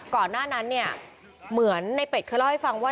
ก่อนหน้านั้นเนี่ยเหมือนในเป็ดเคยเล่าให้ฟังว่า